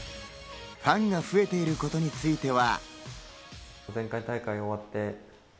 ファンが増えていることについては。